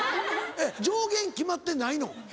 上限決まってないの？